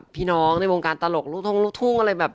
พี่น้องในวงการตลกลูกทุ่งอะไรแบบ